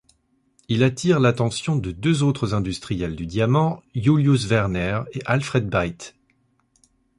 Il attire l'attention de deux autres industriels du diamant, Julius Wernher et Alfred Beit.